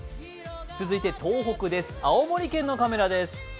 続いて東北です、青森県のカメラです。